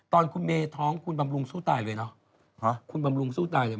ตอนคุณเมย์ท้องคุณบำรุงสู้ตายเลยเนอะฮะคุณบำรุงสู้ตายเลย